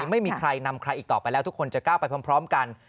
ไม่มีใครนำใครอีกต่อไปแล้วทุกคนจะก้าวไปพร้อมกัน